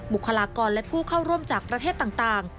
บุคลากรและผู้เข้าร่วมจากประเทศต่าง